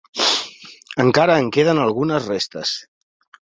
Encara en queden algunes restes.